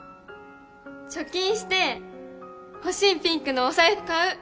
貯金して欲しいピンクのお財布買う